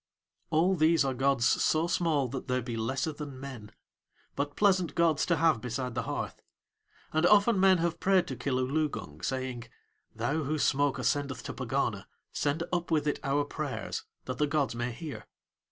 All these are gods so small that they be lesser than men, but pleasant gods to have beside the hearth; and often men have prayed to Kilooloogung, saying: "Thou whose smoke ascendeth to Pegana send up with it our prayers, that the gods may hear."